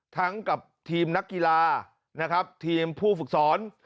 กับทีมนักกีฬานะครับทีมผู้ฝึกสอน